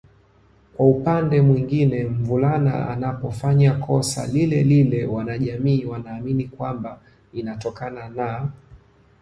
Kwa upande mwingine mvulana anapofanya kosa lile lile wanajamii wanaamini kwamba inatokana na